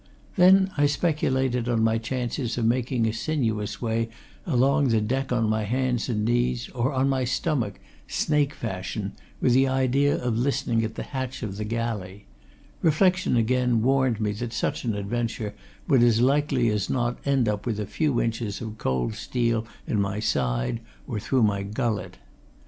Then I speculated on my chances of making a sinuous way along the deck on my hands and knees, or on my stomach, snake fashion, with the idea of listening at the hatch of the galley reflection, again, warned me that such an adventure would as likely as not end up with a few inches of cold steel in my side or through my gullet.